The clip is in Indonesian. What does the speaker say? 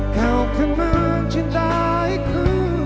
kau akan mencintaiku